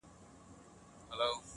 پلار یې وښوروی سر و یې خندله.